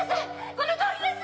このとおりです！